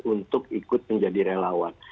untuk ikut menjadi relawan